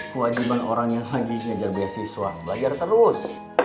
kewajiban orang yang lagi ngejar beasiswa belajar terus